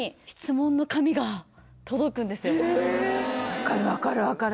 分かる分かる分かる！